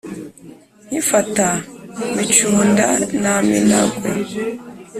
nkifata micunda na minagwe